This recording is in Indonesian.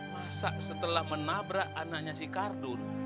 masa setelah menabrak anaknya si kardun